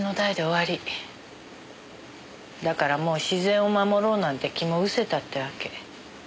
だからもう自然を守ろうなんて気も失せたってわけ。